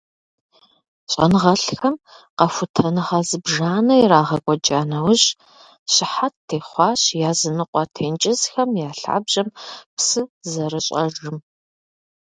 Щӏэныгъэлӏхэм къэхутэныгъэ зыбжанэ ирагъэкӏуэкӏа нэужь, щыхьэт техъуащ языныкъуэ тенджызхэм я лъабжьэм псы зэрыщӏэжым.